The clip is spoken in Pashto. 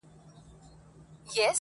• شیرنۍ ته ریسوت وایې ډېر ساده یې..